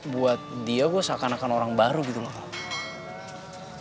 buat dia gue seakan akan orang baru gitu mon